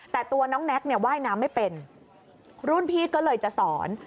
แต่ตัวน้องแน็กเนี่ยว่ายน้ำไม่เป็นรุ่นพี่ก็เลยจะสอน